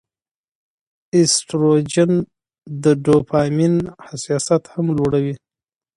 ایسټروجن د ډوپامین حساسیت هم لوړوي.